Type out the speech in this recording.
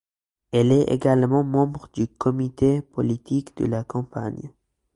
Elle est également membre du comité politique de la campagne.